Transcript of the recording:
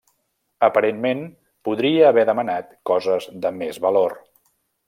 Aparentment podria haver demanat coses de més valor.